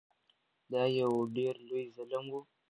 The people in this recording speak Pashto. دا یو ډیر لوی ظلم و.